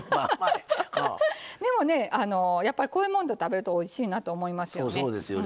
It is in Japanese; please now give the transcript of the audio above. でもね、こういうもんと食べるとおいしいなと思いますよね。